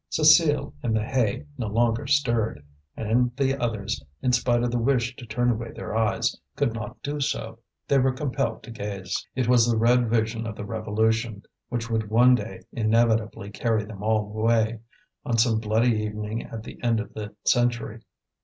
Cécile, in the hay, no longer stirred; and the others, in spite of the wish to turn away their eyes, could not do so: they were compelled to gaze. It was the red vision of the revolution, which would one day inevitably carry them all away, on some bloody evening at the end of the century.